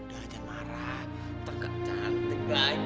udah aja marah tengkep cantik lagi